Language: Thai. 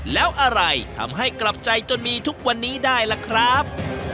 แล้วอะไรทำให้กลับใจจนมีทุกวันนี้ได้ล่ะครับ